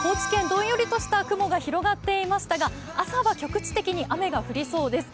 どんよりとした雲が広がっていましたが朝は局地的に雨が降りそうです。